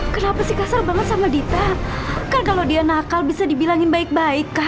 kenapa sih kasar banget sama dita kan kalau dia nakal bisa dibilangin baik baik